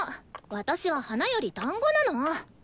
私は花より団子なの！